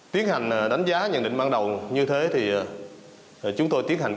tiến hành đánh giá nhận định ban đầu như thế thì chúng tôi tiến hành